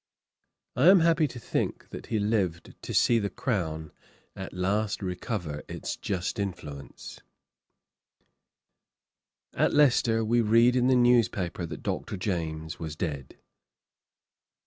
I am happy to think, that he lived to see the Crown at last recover its just influence. At Leicester we read in the news paper that Dr. James was dead.